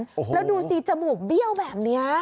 แล้วดูสิจมูกเบี้ยวแบบนี้